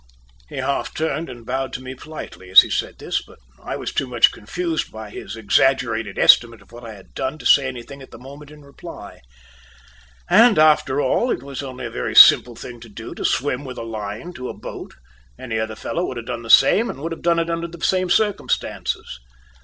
He half turned and bowed to me politely as he said this, but I was too much confused, by his exaggerated estimate of what I had done to say anything at the moment in reply. And, after all, it was only a very simple thing to do, to swim with a line to a boat; any other fellow could have done the same, and would have done it under the same circumstances.